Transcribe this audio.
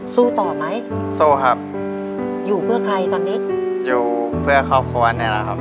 สู้ต่อไหมสู้ครับอยู่เพื่อใครตอนนี้อยู่เพื่อครอบครัวนี่แหละครับ